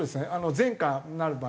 前科になる場合